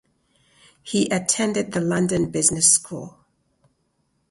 He attended the London Business School.